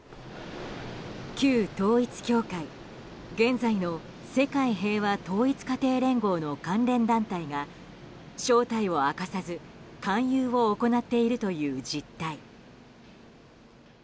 旧統一教会現在の世界平和統一家庭連合の関連団体が、正体を明かさず勧誘を行っているという実態。